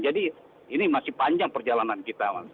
jadi ini masih panjang perjalanan kita mas